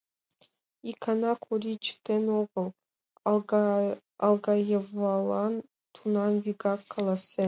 Икана Кори чытен огыл, Алгаевалан тунам вигак каласен: